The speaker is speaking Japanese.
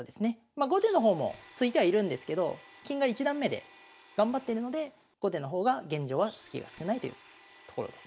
まあ後手の方も突いてはいるんですけど金が一段目で頑張っているので後手の方が現状はスキが少ないというところですね。